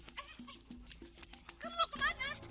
eh eh kamu kemana